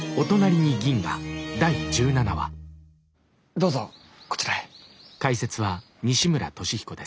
どうぞこちらへ。